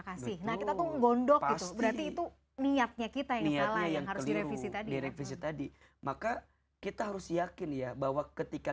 kasih nah kita tuh ngondok banget nih itu niatnya kita ini yang harus direvisi tadi revisi tadi maka